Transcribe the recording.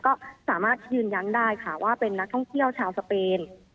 ก็สามารถยืนยันได้ค่ะว่าเป็นนักท่องเที่ยวชาวสเปน